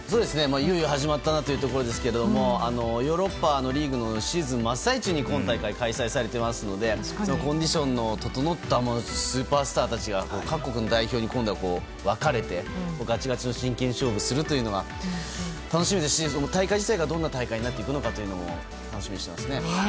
いよいよ始まったなというところですけれどもヨーロッパのリーグのシーズンの真っ最中に今大会は開催されていますのでコンディションの整ったスーパースターたちが各国の代表に、今度は分かれてガチガチの真剣勝負をするというのが楽しみですし大会自体がどんな大会になるかも楽しみにしています。